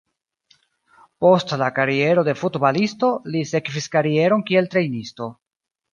Post la kariero de futbalisto, li sekvis karieron kiel trejnisto.